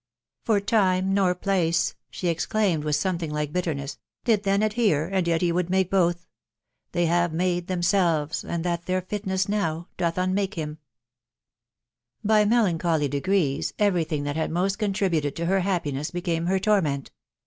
"For time nor place," she exclaimed with ■*wyrth{rf like bitterness, "did then adhere, and yet he would make both. •••* They hare made themselves, and that their fitness now Doth unmake him V " By melancholy degrees every thing that had moat contribafsa to her happiness, became her torment.